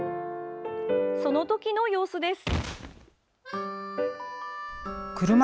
そのときの様子です。